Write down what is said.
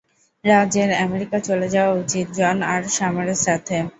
রাজ - এর আমেরিকা চলে যাওয়া উচিত, জন আর সামরের সাথে।